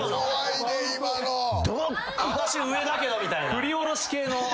振り下ろし系の。